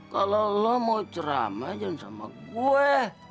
kalau lo mau ceramah jangan sama gue